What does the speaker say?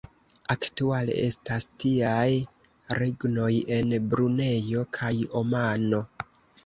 Aktuale estas tiaj regnoj en Brunejo kaj Omano.